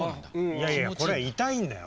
いやいやこれはいたいんだよ。